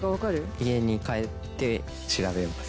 家に帰って調べます。